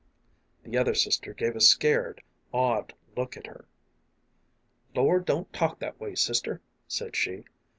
The other sister gave a scared, awed look at her. " Lor, don't talk that way, sister," said she.